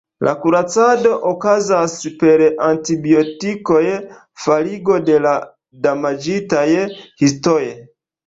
La kuracado okazas per antibiotikoj, forigo de la damaĝitaj histoj.